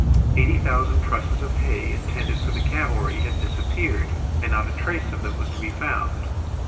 Eighty thousand trusses of hay intended for the cavalry had disappeared and not a trace of them was to be found.